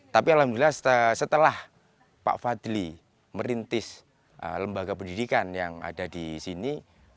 tapi alhamdulillah setelah pak fadli merintis lembaga pendidikan yang ada di sini